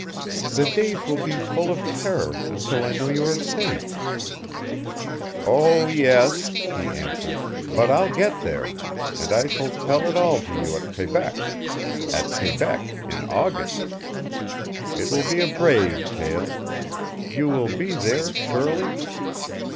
The days will be full of terror until I know you are safe." "Oh, yes," he answered; "but I'll get there, and I shall tell it all to you at Quebec at Quebec in August. It will be a brave tale! You will be there surely?"